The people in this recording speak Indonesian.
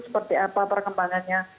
seperti apa perkembangannya